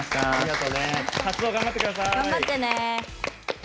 頑張ってね。